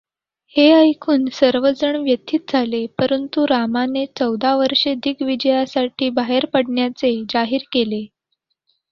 हे ऐकून सर्वजण व्यथित झाले, परंतु रामाने चौदा वर्षे दिग्विजयासाठी बाहेर पडण्याचे जाहीर केले.